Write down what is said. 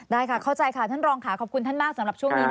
ได้ค่ะเข้าใจค่ะท่านรองค่ะขอบคุณท่านมากสำหรับช่วงนี้นะคะ